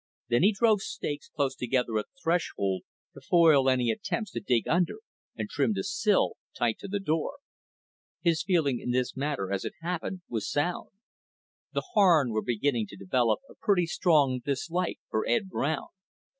Then he drove stakes close together at the threshold, to foil any attempts to dig under, and trimmed a sill tight to the door. His feeling in this matter, as it happened, was sound. The Harn was beginning to develop a pretty strong dislike for Ed Brown.